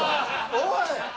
おい！